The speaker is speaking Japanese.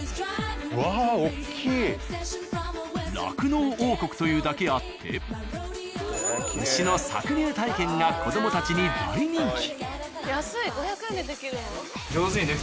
酪農王国というだけあって牛の搾乳体験が子どもたちに大人気。